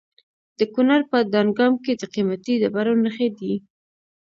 د کونړ په دانګام کې د قیمتي ډبرو نښې دي.